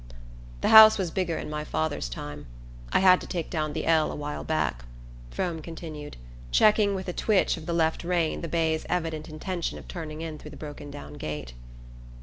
"The house was bigger in my father's time: I had to take down the 'L,' a while back," Frome continued, checking with a twitch of the left rein the bay's evident intention of turning in through the broken down gate.